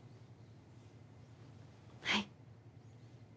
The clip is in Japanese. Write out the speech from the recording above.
はい。